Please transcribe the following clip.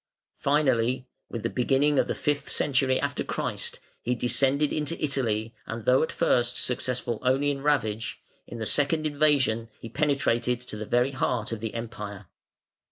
Finally, with the beginning of the fifth century after Christ, he descended into Italy, and though at first successful only in ravage, in the second invasion he penetrated to the very heart of the Empire.